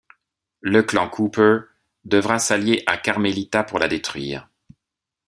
Le clan Cooper devra s'allier à Carmelita pour la détruire.